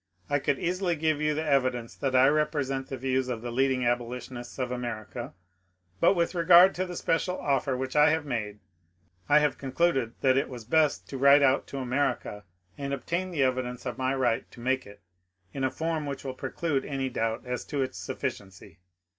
I could easily give you the evidence that I represent the views of the leading abolitionists of America; but with regard to the special offer which I have made, I have concluded that it was best to write out to America and obtain the evidence of my right to make it in a form which will preclude any doubt as to its sufficiency.